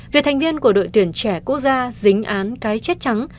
việc thành viên của đội tuyển trẻ quốc gia dính án cái chết trắng